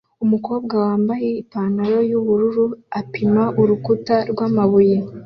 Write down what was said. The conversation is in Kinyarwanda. Umukobwa wambaye ipantaro yubururu apima urukuta rwamabuye